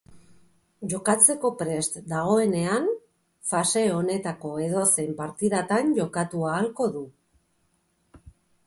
Jokatzeko prest dagoenean, fase honetako edozein partidatan jokatu ahalko du.